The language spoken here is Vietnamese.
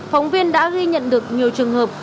phóng viên đã ghi nhận được nhiều trường hợp